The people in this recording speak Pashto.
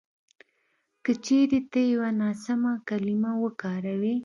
که چېرې ته یوه ناسمه کلیمه وکاروې